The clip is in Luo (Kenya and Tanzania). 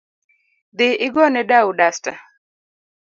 Dhi igone dau dasta